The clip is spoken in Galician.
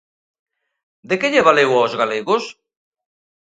De que lle valeu aos galegos?